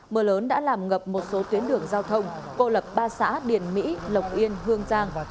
mưa lớn đã làm ngập một số tuyến đường giao thông cô lập ba xã điền mỹ lộc yên hương giang